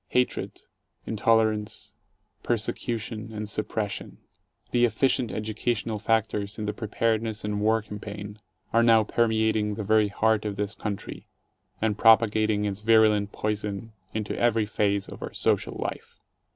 Hatred, intolerance, persecution and suppression — the efficient "educational" factors in the preparedness and war campaign — are now permeating the very heart of this country and propagating its virulent poison into every phase of our social life.